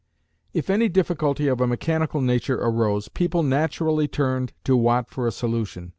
If any difficulty of a mechanical nature arose, people naturally turned to Watt for a solution.